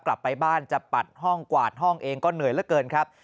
กลับไปบ้านจะปัดห้องกวาดห้องเองก็เหนื่อยเหลือเกินครับ